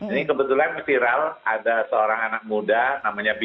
ini kebetulan viral ada seorang anak muda namanya